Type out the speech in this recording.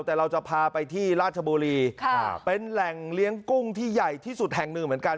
แต่เราจะพาไปที่ราชบุรีเป็นแหล่งเลี้ยงกุ้งที่ใหญ่ที่สุดแห่งหนึ่งเหมือนกัน